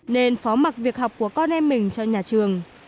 nên phó mặt việc học của con em mình cho nhà trường